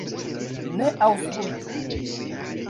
Ne aŭskultu!